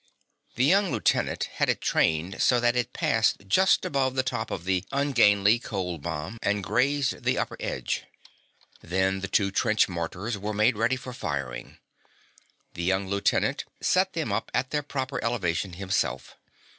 The young lieutenant had it trained so that it passed just above the top of the ungainly cold bomb and grazed the upper edge. Then the two trench mortars were made ready for firing. The young lieutenant set them at their proper elevation himself.